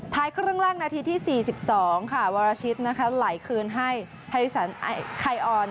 ท้ายครึ่งแรกนาทีที่๔๒ค่ะวรชิตไหลคืนให้ภรรยาศาสตร์ไคอร์น